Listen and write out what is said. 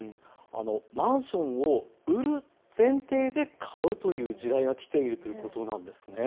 マンションを売る前提で買うという時代が来ているということなんですね。